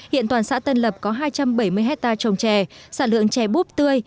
hiện toàn xã tân lập có hai trăm bảy mươi hectare trồng trè sản lượng chè búp tươi